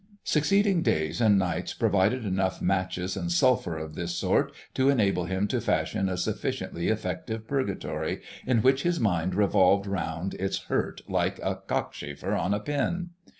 Succeeding days and nights provided enough matches and sulphur of this sort to enable him to fashion a sufficiently effective purgatory, in which his mind revolved round its hurt like a cockchafer on a pin.